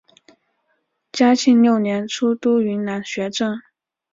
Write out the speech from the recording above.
嘉庆六年出督云南学政。